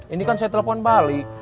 ini kan saya telepon balik